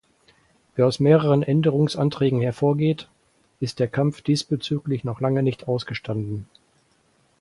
Wie aus mehreren Änderungsanträgen hervorgeht, ist der Kampf diesbezüglich noch lange nicht ausgestanden.